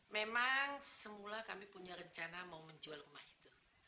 memang semula kami punya rencana mau menjual rumah itu